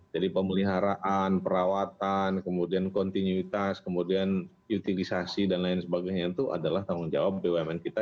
jadi pemeliharaan perawatan kemudian kontinuitas kemudian utilisasi dan lain sebagainya itu adalah tanggung jawab bumn kita